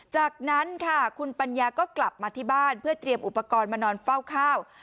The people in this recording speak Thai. จากนั้นค่ะคุณปัญญาก็กลับมาที่บ้านเพื่อเตรียมอุปกรณ์มานอนเฝ้าข้าว